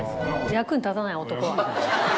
役に立たない男は。